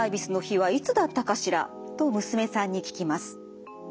と娘さんに聞きます。